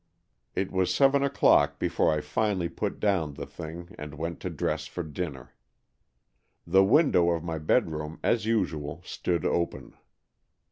It was seven o'clock before I finally put down the thing and went to dress for dinner. The window of my bedroom as usual stood open.